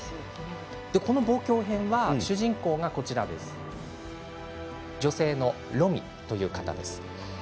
この「望郷編」の主人公は女性のロミという方です。